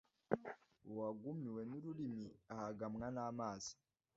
. Uwagumiwe n’ururimi ahagamwa n’amazi